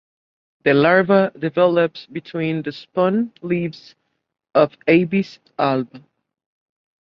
The larva develops between the spun leaves of "Abies alba".